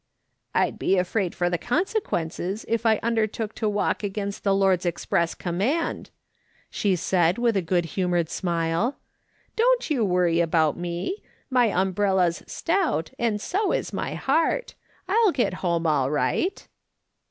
" I'd be afraid for the consequences if I undertook to walk against the Lord's express command," she said with a good humoured smile. " Don't you worry about me. My umbrella's stout, and so is my heart. I'll get home all right."